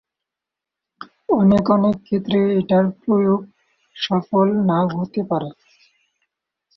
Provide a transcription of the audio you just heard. ফলে অনেক ক্ষেত্রে এটার প্রয়োগ সফল নাও হতে পারে।